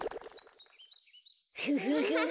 フフフフ！